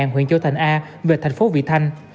huyện châu thành a về tp vị thanh